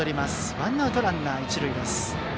ワンアウトランナー、一塁です。